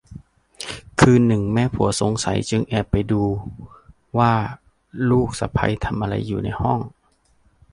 คืนหนึ่งแม่ผัวสงสัยจึงไปแอบดูว่าลูกสะใภ้ทำอะไรอยู่ในห้อง